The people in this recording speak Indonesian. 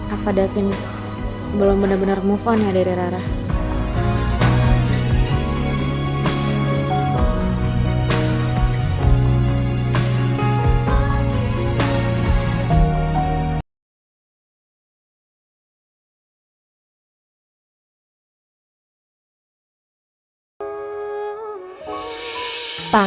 apa dapin belum bener bener move on ya dari rara